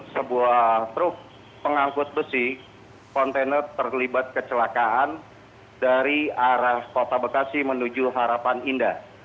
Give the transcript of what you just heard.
sebuah truk pengangkut besi kontainer terlibat kecelakaan dari arah kota bekasi menuju harapan indah